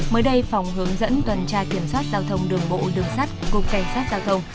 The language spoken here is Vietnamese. mới đây phòng hướng dẫn tuần tra kiểm soát giao thông đường bộ đường sắt cục cảnh sát giao thông